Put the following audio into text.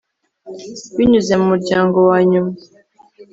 binyuze mu muryango wanyuma,